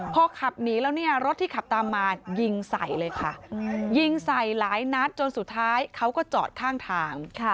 พอขับหนีแล้วเนี่ยรถที่ขับตามมายิงใส่เลยค่ะยิงใส่หลายนัดจนสุดท้ายเขาก็จอดข้างทาง